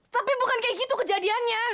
tapi bukan kayak gitu kejadiannya